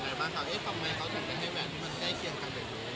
ทำไมเขาจะให้แหวนที่มันใกล้เคียงกัน